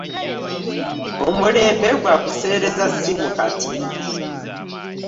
Omulembe gwa kuseereza ssimu kati.